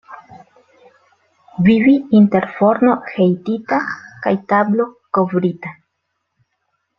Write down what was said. Vivi inter forno hejtita kaj tablo kovrita.